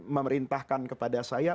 memerintahkan kepada saya